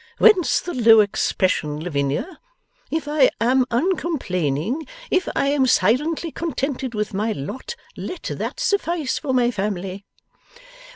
Whence the low expression, Lavinia? If I am uncomplaining, if I am silently contented with my lot, let that suffice for my family.